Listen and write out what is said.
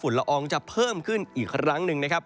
ละอองจะเพิ่มขึ้นอีกครั้งหนึ่งนะครับ